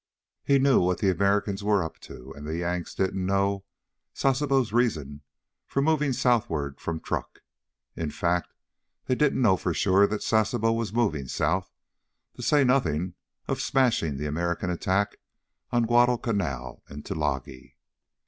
He knew what the Americans were up to, and the Yanks didn't know Sasebo's reason for moving southward from Truk. In fact, they didn't know for sure that Sasebo was moving south, to say nothing of smashing the American attack on Guadalcanal and Tulagi.